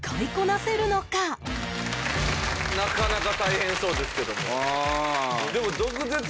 なかなか大変そうですけども。